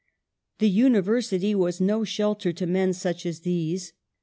The university was no shelter to men such as these.